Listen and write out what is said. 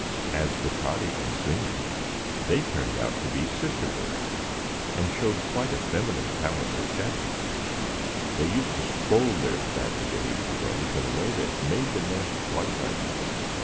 As to Toddy and Singer, they turned out to be sister birds, and showed quite a feminine talent for chattering; they used to scold their badly behaving brothers in a way that made the nest quite lively.